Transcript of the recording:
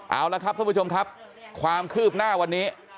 เอาละครับท่านผู้ชมครับความคืบหน้าวันนี้